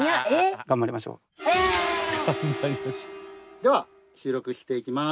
では収録していきます。